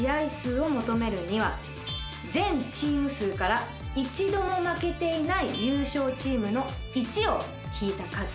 全チーム数から一度も負けていない優勝チームの１を引いた数。